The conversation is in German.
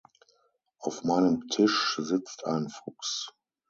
Auf meinem Tisch sitzt ein Fuchs.